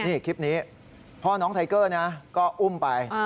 นี่คลิปนี้พ่อน้องไทเกอร์นะก็อุ้มไป